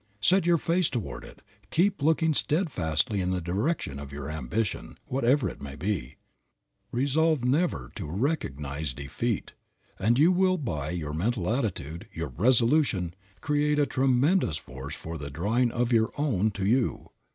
Set your face toward it; keep looking steadfastly in the direction of your ambition, whatever it may be; resolve never to recognize defeat, and you will by your mental attitude, your resolution, create a tremendous force for the drawing of your own to you.